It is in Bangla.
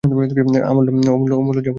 অমূল্য যা বললে সে অদ্ভুত।